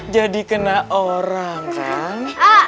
jadi kena orang kan